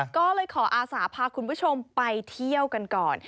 ก็เลยขออาสาพาคุณผู้ชมไปเที่ยวกันก่อน